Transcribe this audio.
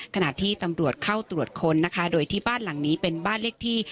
ขณะที่ตำรวจเข้าตรวจค้นนะคะโดยที่บ้านหลังนี้เป็นบ้านเลขที่